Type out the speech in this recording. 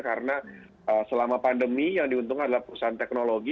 karena selama pandemi yang diuntungkan adalah perusahaan teknologi